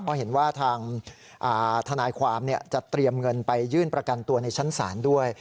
เพราะเห็นว่าทางทนายความจะเตรียมเงินไปยื่นประกันตัวในชั้นศาลด้วย